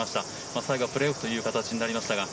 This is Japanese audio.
最後のプレーオフという形になりました。